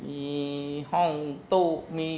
มีห้องตู้